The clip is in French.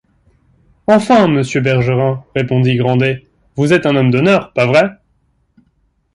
Enfin, monsieur Bergerin, répondit Grandet, vous êtes un homme d’honneur, pas vrai?